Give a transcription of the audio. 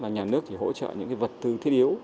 nhà nước chỉ hỗ trợ những vật thư thiết yếu